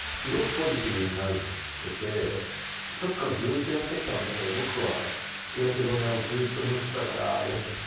サッカーずっとやってきたのに僕は。